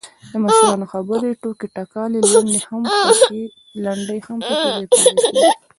دمشرانو خبرې، ټوکې ټکالې، لنډۍ هم پکې ځاى په ځاى کړي.